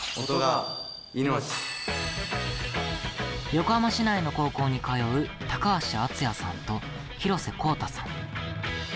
横浜市内の高校に通う高橋敦也さんと廣瀬幸太さん。